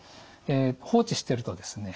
放置してるとですね